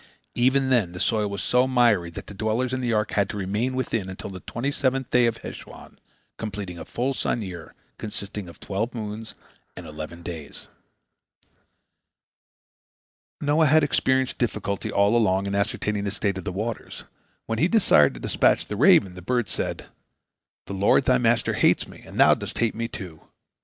Even then the soil was so miry that the dwellers in the ark had to remain within until the twenty seventh day of Heshwan, completing a full sun year, consisting of twelve moons and eleven days. Noah had experienced difficulty all along in ascertaining the state of the waters. When he desired to dispatch the raven, the bird said: "The Lord, thy Master, hates me, and thou dost hate me, too.